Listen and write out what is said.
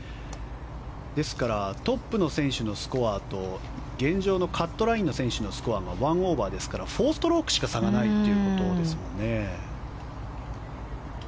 トップの選手のスコアと現状のカットラインのスコアが１オーバーですから４ストロークしか差がないということですもんね。